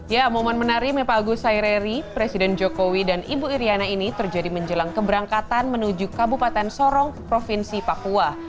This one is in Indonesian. ya momen menari me pago saireri presiden jokowi dan ibu iriana ini terjadi menjelang keberangkatan menuju kabupaten sorong provinsi papua